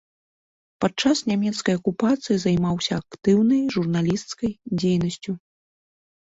Падчас нямецкай акупацыі займаўся актыўнай журналісцкай дзейнасцю.